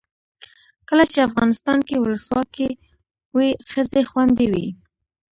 کله چې افغانستان کې ولسواکي وي ښځې خوندي وي.